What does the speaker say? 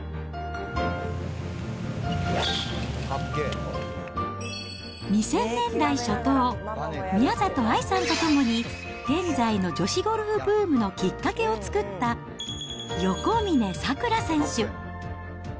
桃琉、２０００年代初頭、宮里藍さんとともに現在の女子ゴルフブームのきっかけを作った、横峯さくら選手。